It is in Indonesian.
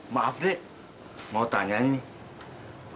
maaf dek mau tanyain nih